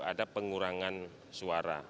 ada pengurangan suara